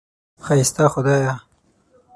ښایسته خدایه!